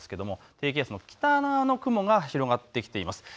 低気圧の北側の雲が広がってきています。